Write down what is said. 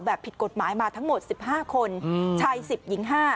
ผิดกฎหมายมาทั้งหมด๑๕คนชาย๑๐หญิง๕